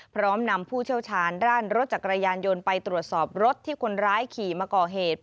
พร้อมนำผู้เชี่ยวชาญด้านรถจักรยานยนต์ไปตรวจสอบรถที่คนร้ายขี่มาก่อเหตุ